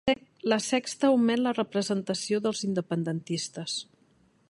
La Sexta omet la representació dels independentistes